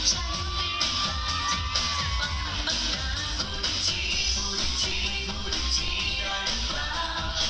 พูดอีกทีพูดอีกทีพูดอีกทีได้หรือเปล่า